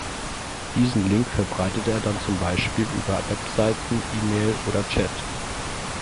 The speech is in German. Diesen Link verbreitet er dann zum Beispiel über Webseiten, E-Mail oder Chat.